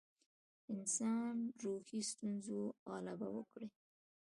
انسانان روحي ستونزو غلبه وکړي.